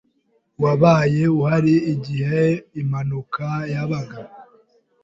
Wabaye uhari igihe impanuka yabaga?